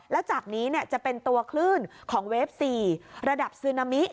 แล้วจากนี้จะเป็นตัวคลื่นของเวฟ๔ระดับซึนามิ